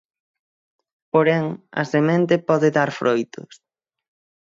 Porén, a semente pode dar froitos.